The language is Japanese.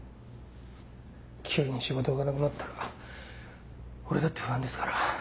急に仕事がなくなったら俺だって不安ですから。